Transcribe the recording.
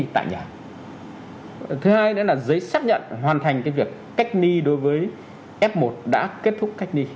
thứ hai nữa là giấy xác nhận hoàn thành việc cách ly đối với f một đã kết thúc cách ly